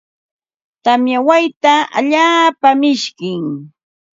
Tamya wayta allaapa mishkim.